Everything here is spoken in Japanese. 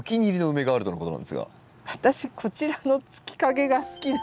私こちらの月影が好きなんです。